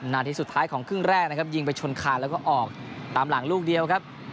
นาทีสุดท้ายของครึ่งแรกนะครับยิงไปชนคานแล้วก็ออกตามหลังลูกเดียวครับ